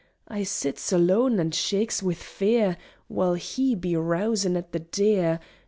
I sits aloan an' shaakes wi' fear While he be rousin' at the 'Deer.'